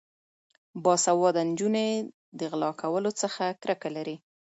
باسواده نجونې د غلا کولو څخه کرکه لري.